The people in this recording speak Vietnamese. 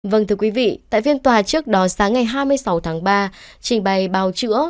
vâng thưa quý vị tại phiên tòa trước đó sáng ngày hai mươi sáu tháng ba trình bày báo chữa